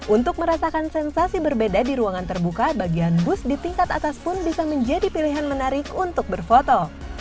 untuk merasakan sensasi berbeda di ruangan terbuka bagian bus di tingkat atas pun bisa menjadi pilihan menarik untuk berfoto